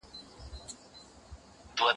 تشېدل به د شرابو ډك خمونه